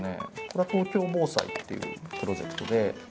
これは「東京防災」っていうプロジェクトで。